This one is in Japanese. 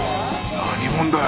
何者だよ？